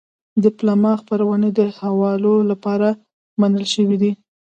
د پملا خپرونې د حوالو لپاره منل شوې دي.